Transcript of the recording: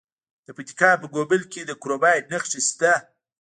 د پکتیکا په ګومل کې د کرومایټ نښې شته.